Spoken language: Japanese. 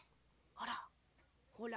あらほら。